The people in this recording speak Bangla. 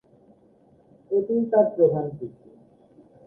এটিই তার প্রধান কীর্তি।